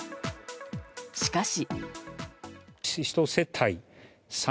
しかし。